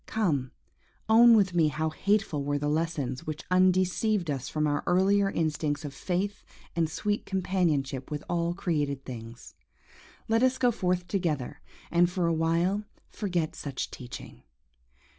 Come! own with me how hateful were the lessons which undeceived us from our earlier instincts of faith and sweet companionship with all created things: and let us go forth together, and for a while forget such teaching.